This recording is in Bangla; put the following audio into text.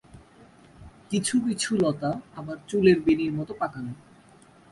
কিছু কিছু লতা আবার চুলের বেণীর মতো পাকানো।